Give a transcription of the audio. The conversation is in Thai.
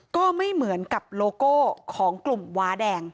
ก็ไม่เหมือนกับโลโก้ของกลุ่มว้าแดง